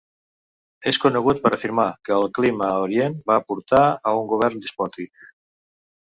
És conegut per afirmar que el clima a Orient va portar a un govern despòtic.